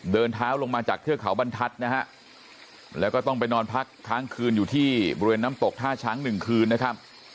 เดินเท้าลงมาจากเทือกเขาบรรทัศน์นะฮะแล้วก็ต้องไปนอนพักค้างคืนอยู่ที่บริเวณน้ำตกท่าช้างหนึ่งคืนนะครับ